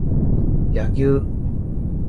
柳生